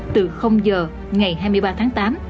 từ giờ ngày hai mươi ba tháng tám